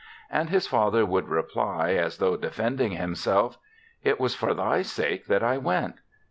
*' And his father would reply, as though defending himself, " It was for thy sake that I went."